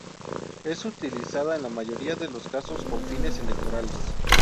Es utilizada en la mayoría de los casos con fines electorales.